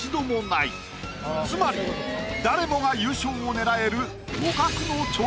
つまり誰もが優勝を狙える。